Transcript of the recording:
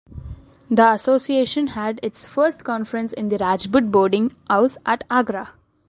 The association had its first conference in the Rajput Boarding House at Agra.